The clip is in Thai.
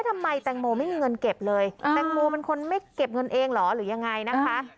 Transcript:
ทำไมแตงโมไม่มีเงินเก็บเลยแตงโมเป็นคนไม่เก็บเงินเองเหรอหรือยังไงนะคะ